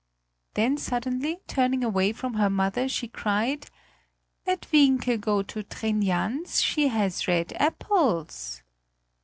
Then suddenly, turning away from her mother, she cried: "Let Wienke go to Trin Jans, she has red apples!"